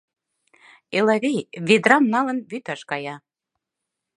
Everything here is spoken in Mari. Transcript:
Элавий, ведрам налын, вӱташ кая.